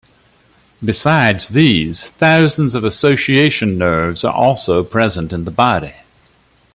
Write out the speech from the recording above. Besides these, thousands of association nerves are also present in the body.